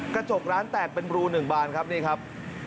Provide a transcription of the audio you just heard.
กระจกร้านแตกเป็นรู๑บานครับนี่ครับ